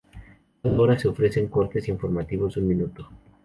Cada hora se ofrecen cortes informativos de un minuto.